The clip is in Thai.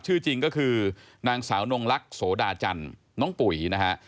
ชื่อจริงก็คือนางสาวนงลักษ์โสดาจันทร์น้องปุ๋ยนะฮะ